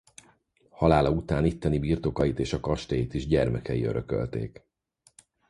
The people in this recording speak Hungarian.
Halála után itteni birtokait és a kastélyt is gyermekei örökölték.